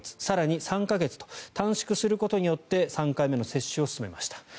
更に３か月と短縮することによって３回目の接種を進めました。